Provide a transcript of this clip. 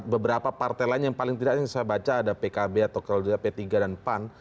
beberapa partai lain yang paling tidak yang saya baca ada pkb atau kalau tidak p tiga dan pan